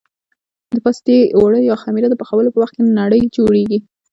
د پاستي اوړه یا خمېره د پخولو په وخت کې نرۍ جوړېږي.